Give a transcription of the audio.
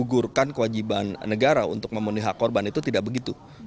menggugurkan kewajiban negara untuk memenuhi hak korban itu tidak begitu